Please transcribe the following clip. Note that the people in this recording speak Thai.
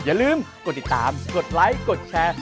อย่าลืมกดติดตามกดไลค์กดแชร์